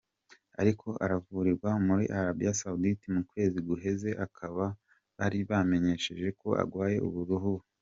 Ariko aravurirwa muri Arabia Saudite, mu kwezi guheze bakaba bari bamenyesheje ko agwaye uburuhe.